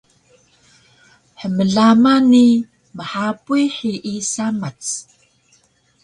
hmlama ni mhapuy hiyi samac